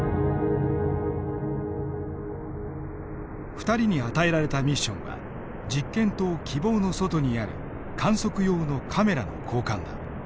２人に与えられたミッションは実験棟「きぼう」の外にある観測用のカメラの交換だ。